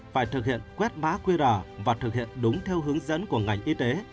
phải thực hiện quét má quy rõ và thực hiện đúng theo hướng dẫn của ngành y tế